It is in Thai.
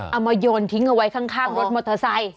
เอามาโยนทิ้งเอาไว้ข้างรถมอเตอร์ไซค์